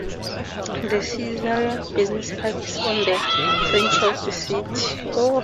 The Caesarea Business Park is on the fringe of the city.